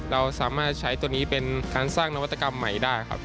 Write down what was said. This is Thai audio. เราสามารถใช้ตัวนี้เป็นการสร้างนวัตกรรมใหม่ได้ครับ